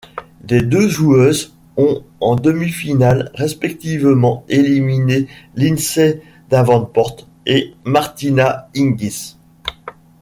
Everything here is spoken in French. Les deux joueuses ont, en demi-finale, respectivement éliminé Lindsay Davenport et Martina Hingis.